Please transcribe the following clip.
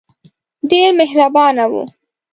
ډېر مهربانه وو.